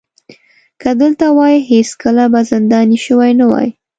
که دلته وای هېڅکله به زنداني شوی نه وای.